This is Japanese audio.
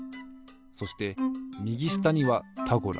そしてみぎしたには「タゴラ」。